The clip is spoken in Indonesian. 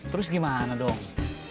terus gimana dong